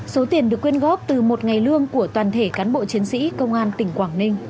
số tiền được quyên góp từ một ngày lương của toàn thể cán bộ chiến sĩ công an tỉnh quảng ninh